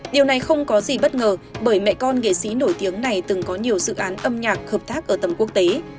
điều này không có gì bất ngờ bởi mẹ con nghệ sĩ nổi tiếng này từng có nhiều dự án âm nhạc hợp tác ở tầm quốc tế